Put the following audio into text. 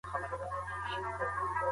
اقتصاد يوازې په سرمايه مه محدودوئ.